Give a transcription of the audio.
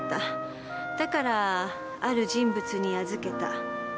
だからある人物に預けた。